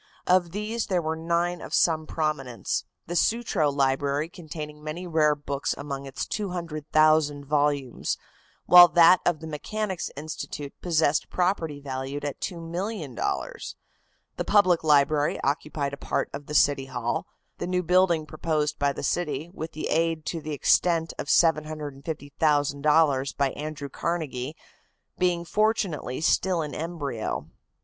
Of these there were nine of some prominence, the Sutro Library containing many rare books among its 200,000 volumes, while that of the Mechanics Institute possessed property valued at $2,000,000. The Public Library occupied a part of the City Hall, the new building proposed by the city, with aid to the extent of $750,000 by Andrew Carnegie, being fortunately still in embryo.